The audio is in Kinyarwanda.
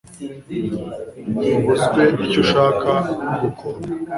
ubazwe icyo ushaka n'ugukunda